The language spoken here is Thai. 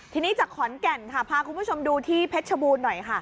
ทีนี้จากขอนแก่นพาคุณผู้ชมดูที่เพชรบูนหน่อย